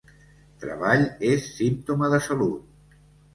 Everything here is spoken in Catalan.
Treball és símptoma de salut.